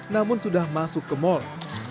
namun sudah masuk ke mal